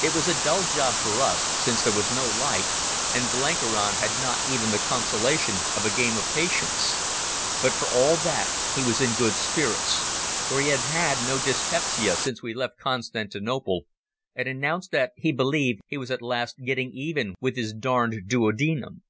It was a dull job for us, since there was no light, and Blenkiron had not even the consolation of a game of Patience. But for all that he was in good spirits, for he had had no dyspepsia since we left Constantinople, and announced that he believed he was at last getting even with his darned duodenum.